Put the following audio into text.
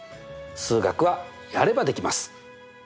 数学はやればできます！